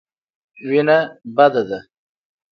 وېنه بده ده.